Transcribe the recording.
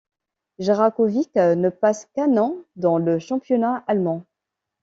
Jaraković ne passe qu'un an dans le championnat allemand.